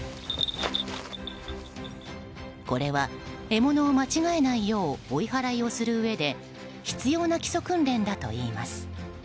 これは獲物を間違えないよう追い払いをするうえで必要な基礎訓練だといいます。